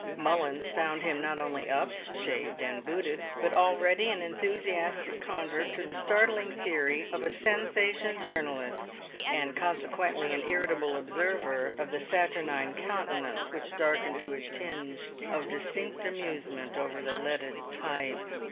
Mullins found him not only up, shaved and booted, but already an enthusiastic convert to the startling theory of a sensation journalist, and consequently an irritable observer of the saturnine countenance which darkened to a tinge of distinct amusement over the leaded type.